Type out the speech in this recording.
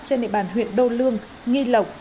trên địa bàn huyện đô lương nghi lộc